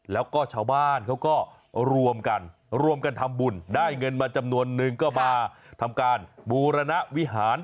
แล้วก็ชาวบ้านเขาก็รวมกันรวมกันทำบุญได้เงินมาจำนวนนึงก็มาทำการบูรณวิหาร